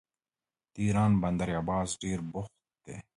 د ایران بندر عباس ډیر بوخت دی.